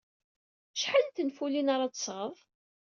Acḥal n tenfulin ara d-tesɣed?